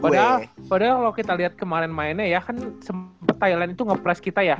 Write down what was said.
padahal padahal kalo kita liat kemarin mainnya ya kan sempet thailand itu nge press kita ya